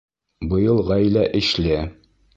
Быйыл ғаилә ишле.